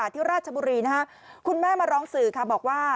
ที่ราชบุรีคุณแม่มาร้องสื่อค่ะบอกว่า